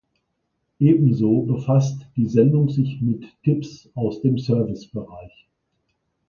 Ebenso befasst die Sendung sich mit Tipps aus dem Servicebereich.